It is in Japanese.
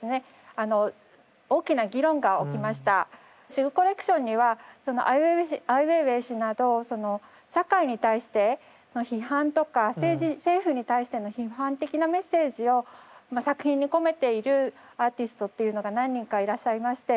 シグコレクションにはそのアイウェイウェイ氏など社会に対しての批判とか政府に対しての批判的なメッセージを作品に込めているアーティストというのが何人かいらっしゃいまして。